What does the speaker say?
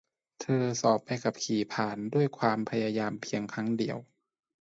เธอสอบใบขับขี่ผ่านด้วยความพยายามเพียงครั้งเดียว